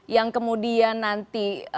yang kemudian nanti